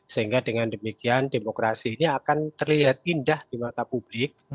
sehingga dengan demikian demokrasi ini akan terlihat indah di mata publik